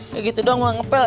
ya gitu doang mau ngepel